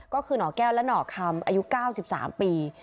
ก็คือหน่อแก้วและหน่อคำอายุ๙๓ปี